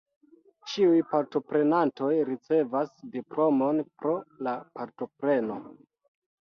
Ĉiuj partoprenantoj ricevas diplomon pro la partopreno.